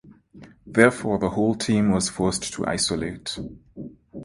Therefore the whole team was forced to isolate.